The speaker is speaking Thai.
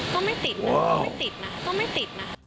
ก็ไม่ติดนะก็ไม่ติดนะก็ไม่ติดนะ